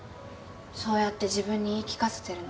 そうやって自分に言い聞かせてるの？